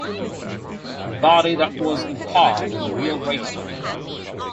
The body that was in the car was the real Rachael.